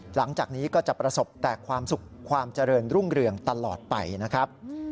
หลังจากนี้ก็จะประสบแต่ความสุขความเจริญรุ่งเรืองตลอดไปนะครับ